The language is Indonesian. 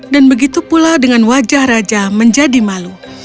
dan begitu pula dengan wajah raja menjadi malu